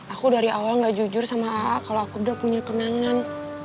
aku dari awal gak jujur sama aa kalau aku udah punya tunangan